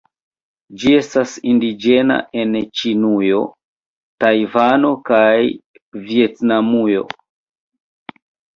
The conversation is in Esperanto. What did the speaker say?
Ĝi estas indiĝena en Ĉinujo, Tajvano kaj Vjetnamujo.